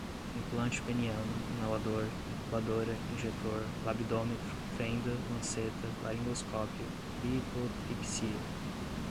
implante peniano, inalador, incubadora, injetor, labidômetro, fenda, lanceta, laringoscópio, litotripsia